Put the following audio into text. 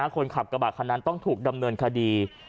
คนขับกระบาดคันนั้นต้องถูกดำเนินคดี